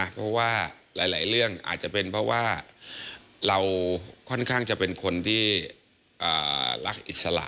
เพราะว่าหลายเรื่องอาจจะเป็นเพราะว่าเราค่อนข้างจะเป็นคนที่รักอิสระ